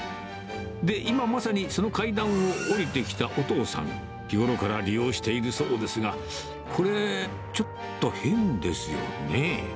で、今まさに、その階段を下りてきたお父さん、日頃から利用しているそうですが、これ、ちょっと変ですよね？